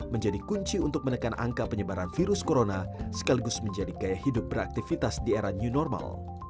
menjadi kunci untuk menekan angka penyebaran virus corona sekaligus menjadi gaya hidup beraktivitas di era new normal